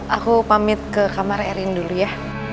aku pamit ke kamar erin dulu ya